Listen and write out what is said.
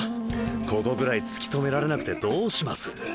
ここぐらい突き止められなくてどうします？